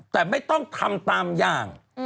แต่ไม่ต้องทำตามอย่าง